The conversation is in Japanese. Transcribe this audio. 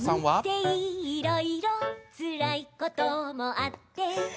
「人生いろいろ辛いこともあって」